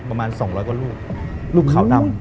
ประมาณ๒๐๐กว่ารูปรูปขาวดำ